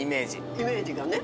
イメージがね。